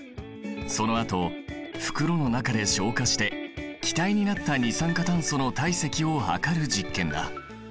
そのあと袋の中で昇華して気体になった二酸化炭素の体積を量る実験だ。